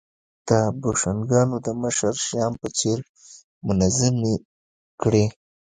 د بوشونګانو د مشر شیام په څېر منظمې کړې